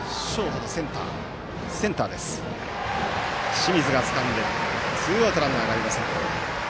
清水がつかんでツーアウト、ランナーありません。